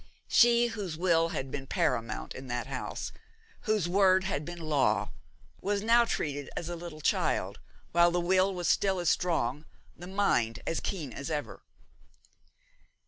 She whose will had been paramount in that house, whose word had been law, was now treated as a little child, while the will was still as strong, the mind as keen as ever.